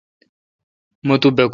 مہ تو باکو۔